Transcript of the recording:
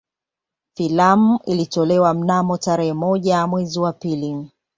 Filamu ilitolewa mnamo tarehe moja mwezi wa pili